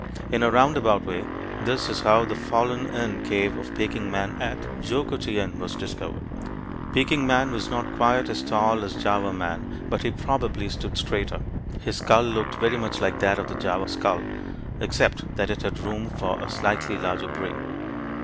In a roundabout way, this is how the fallen in cave of Peking man at Choukoutien was discovered. Peking man was not quite as tall as Java man but he probably stood straighter. His skull looked very much like that of the Java skull except that it had room for a slightly larger brain.